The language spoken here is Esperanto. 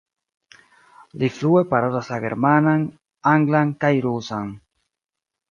Li flue parolas la germanan, anglan kaj rusan.